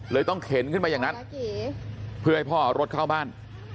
ต้องเข็นขึ้นมาอย่างนั้นเพื่อให้พ่อเอารถเข้าบ้าน